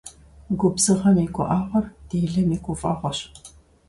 Губзыгъэм и гуӀэгъуэр делэм и гуфӀэгъуэщ.